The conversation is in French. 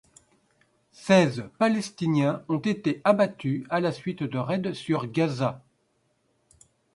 Seize Palestiniens ont été abattus à la suite de raids sur Gaza.